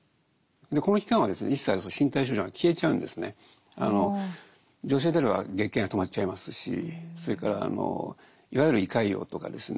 この期間はですね一切女性であれば月経が止まっちゃいますしそれからいわゆる胃潰瘍とかですね